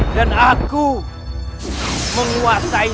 dan saya akan menguasai